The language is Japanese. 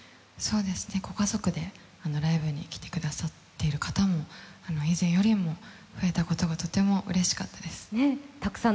ご家族でライブに来てくださってる方も以前よりも増えたことがとてもうれしかったです。